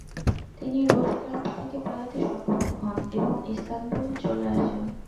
তিনি রুশ ক্যাম্প থেকে পালাতে সক্ষম হন এবং ইস্তানবুল চলে আসেন।